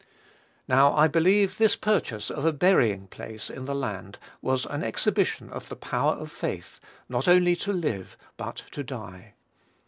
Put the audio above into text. Now, I believe this purchase of a burying place in the land was an exhibition of the power of faith, not only to live, but to die.